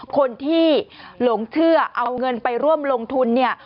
คนที่หลงเชื่อเอาเงินไปร่วมลงทุนเนี่ย